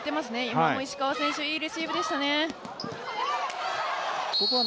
今も石川選手、いいレシーブでしたね。